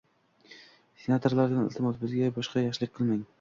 Senatorlardan iltimos, bizga boshqa yaxshilik qilmang.